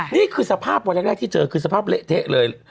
นี่คือสภาพวันแรกที่เจอคือสภาพเละเทะเลย